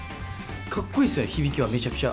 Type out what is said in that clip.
かっこいいっすよね、響きはめちゃくちゃ。